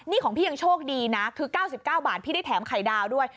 นี่ของพี่ยังโชคดีนะคือ๙๙บาทพี่ได้แถมไข่ดาวด้วย